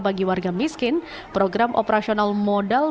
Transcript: bagi warga miskin program operasional modal